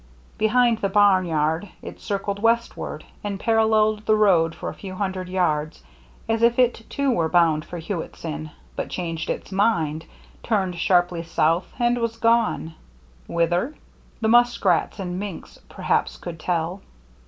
Behind the barn yard it circled 293 294 THE MERRT ANNE westward, and paralleled the road for a few hundred yards, as if it, too, were bound for Hewittson; but changed its mind, turned sharply south, and was gone. Whither ? The muskrats and minks perhaps could tell.